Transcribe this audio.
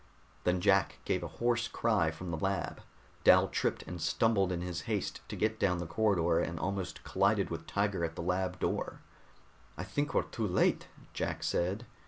Then Jack gave a hoarse cry from the lab. Dal tripped and stumbled in his haste to get down the corridor, and almost collided with Tiger at the lab door. "I think we're too late," Jack said.